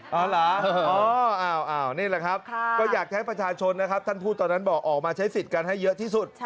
นี่แหละครับก็อยากจะให้ประชาชนนะครับท่านพูดตอนนั้นบอกออกมาใช้สิทธิ์กันให้เยอะที่สุด